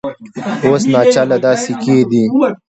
اوس ناچله دا سکې دي